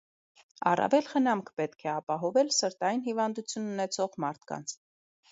Առավել խնամք պետք է ապահովել սրտային հիվանդություն ունեցող մարդկանց։